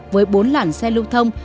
với bốn làn xe lưu thông